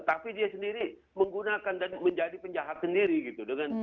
tapi dia sendiri menggunakan dan menjadi penjahat sendiri gitu